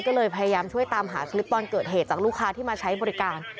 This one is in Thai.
ก็เลยพยายามช่วยตามหาคลิปตอนเกิดเหตุจากลูกค้าที่มาใช้บริการ